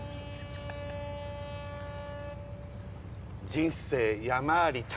人生山あり谷